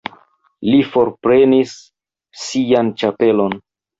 Li forprenis sian ĉapelon.